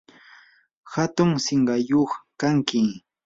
hatun sinqayuq kanki.